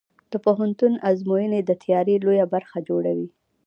د پوهنتون ازموینې د تیاری لویه برخه جوړوي.